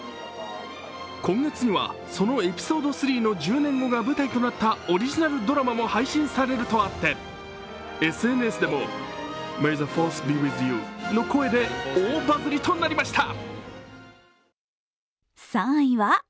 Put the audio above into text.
今月にはその「エピソード３」の１０年後が舞台となったオリジナルドラマも配信されるとあってＳＮＳでも「ＭａｙｔｈｅＦｏｒｃｅｗｉｔｈｙｏｕ」と声で大バズりとなりました。